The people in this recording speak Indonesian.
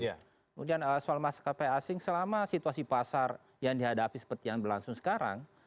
kemudian soal maskapai asing selama situasi pasar yang dihadapi seperti yang berlangsung sekarang